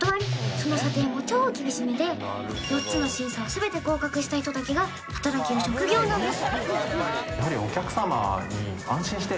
その査定も超厳しめで４つの審査をすべて合格した人だけが働ける職業なんです